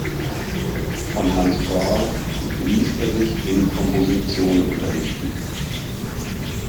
Von Hans Gál ließ er sich in Komposition unterrichten.